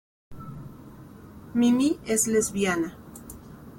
Mimi es lesbiana.